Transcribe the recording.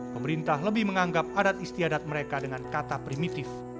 pemerintah lebih menganggap adat istiadat mereka dengan kata primitif